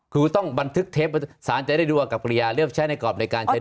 คือต้องบันทึกเทปสารจะได้ดูอากับกริยาเลือกใช้ในกรอบในการใช้